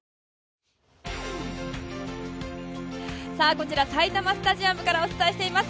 こちら埼玉スタジアムからお伝えしています。